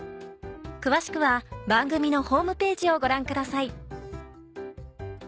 詳しくは番組のホームページをご覧ください。